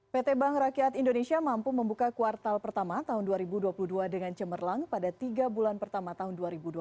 pt bank rakyat indonesia mampu membuka kuartal pertama tahun dua ribu dua puluh dua dengan cemerlang pada tiga bulan pertama tahun dua ribu dua puluh